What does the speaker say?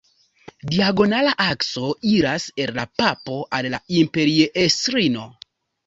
Diagonala akso iras el la papo al la imperiestrino.